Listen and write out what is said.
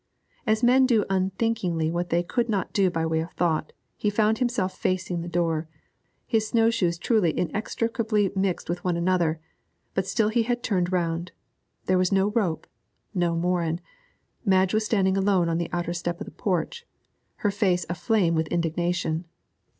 As men do unthinkingly what they could in no way do by thought, he found himself facing the door, his snow shoes truly inextricably mixed with one another, but still he had turned round. There was no rope, no Morin; Madge was standing alone upon the outer step of the porch, her face aflame with indignation.